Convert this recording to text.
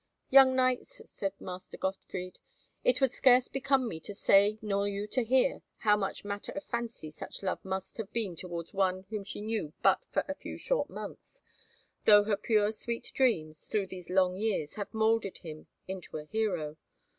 "Young knights," said Master Gottfried, "it would scarce become me to say, nor you to hear, how much matter of fancy such love must have been towards one whom she knew but for a few short months, though her pure sweet dreams, through these long years, have moulded him into a hero.